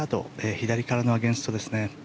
左からのアゲンストですね。